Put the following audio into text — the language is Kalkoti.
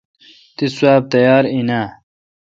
تس سواب تیار این اؘ۔